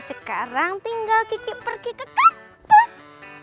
sekarang tinggal kiki pergi ke kampus